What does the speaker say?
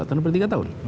ada yang perlu tiga tahun